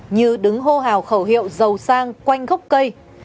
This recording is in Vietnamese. như đứng hô hào khẩu hiệu dầu sang quanh gốc cây